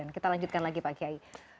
kita lanjutkan lagi pak kiai